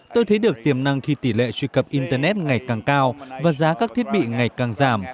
tôi thấy được tiềm năng khi tỷ lệ truy cập internet ngày càng cao và giá các thiết bị ngày càng giảm